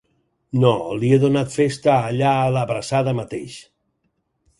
No, li he donat festa allà a l'Abraçada mateix.